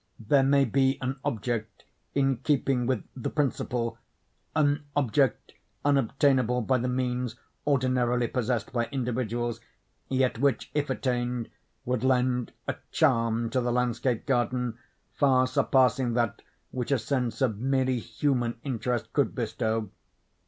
There may be an object in keeping with the principle—an object unattainable by the means ordinarily possessed by individuals, yet which, if attained, would lend a charm to the landscape garden far surpassing that which a sense of merely human interest could bestow.